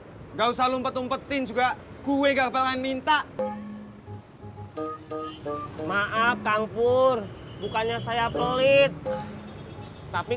hai allah gausah lompat lompatin juga kue gampang minta maaf kang pur bukannya saya pelit tapi